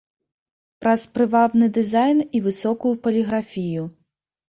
Праз прывабны дызайн і высокую паліграфію.